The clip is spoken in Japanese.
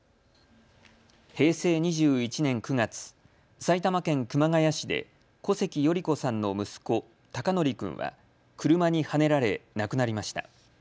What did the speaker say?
平成２１年９月、埼玉県熊谷市で小関代里子さんの息子、孝徳君は車にはねられ、亡くなりました。